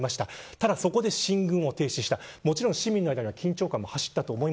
ただ、そこで進軍を停止した。